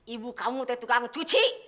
ibu kamu itu kan cuci